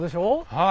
はい。